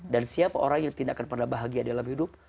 dan siapa orang yang tidak akan pernah bahagia dalam hidup